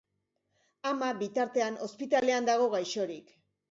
Ama, bitartean, ospitalean dago gaixorik.